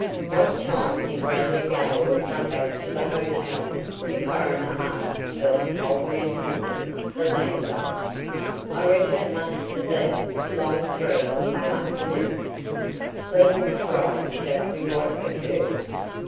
"What time did Radnor Gaylord come back to the hotel?" the coroner asked of "old man Tompkins," the landlord. "I reckon it must 'a' been 'long about three in the afternoon." "Please describe exactly what occurred."